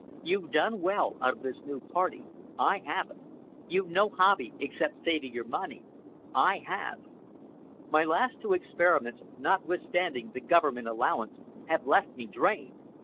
You've done well out of this new Party. I haven't. You've no hobby except saving your money. I have. My last two experiments, notwithstanding the Government allowance, have left me drained.